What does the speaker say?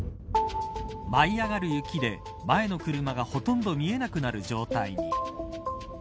舞い上がる雪で前の車がほとんど見えなくなる状態に。